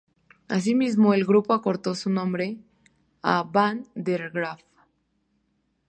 Asimismo, el grupo acortó su nombre a 'Van der Graaf'.